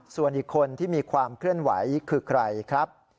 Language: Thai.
ส่วนอีกคนที่มีความเคลื่อนไหวคือใครครับ